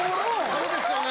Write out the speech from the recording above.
そうですよね。